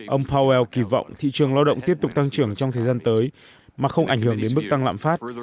ông powell kỳ vọng thị trường lao động tiếp tục tăng trưởng trong thời gian tới mà không ảnh hưởng đến mức tăng lạm phát